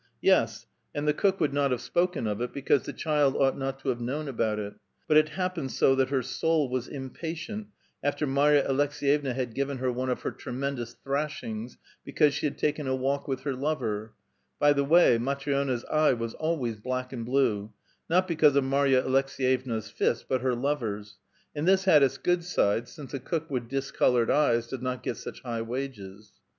Yes, and the cook would not have A VITAL QUESTION. 13 spoken of it, because the child onght not to have known about it; but it happened so that her soul was impatient after Marya Aleks^yevna had given her one of her tremendous thrashings because she had taken a walk with her lover (by the way, Matri6na's eye was always black and blue, — not be cause of Marya Aleks6yevua's fist, but her lover's, — and this had its good side, since a cook with discolored eyes does not get such high wages).